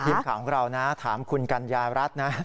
ทีมข่าวของเรานะถามคุณกัญญารัฐนะ